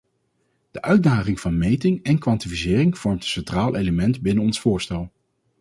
De uitdaging van meting en kwantificering vormt een centraal element binnen ons voorstel.